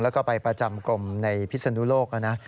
แล้วก็ไปประจำกรมในพิศนุโลกแล้วนะ